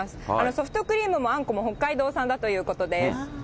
ソフトクリームもあんこも北海道産だということです。